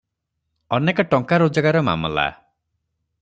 ଅନେକ ଟଙ୍କା ରୋଜଗାର ମାମଲା ।